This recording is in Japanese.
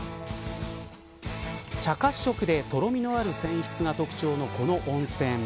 茶褐色でとろみのある泉質が特徴のこの温泉。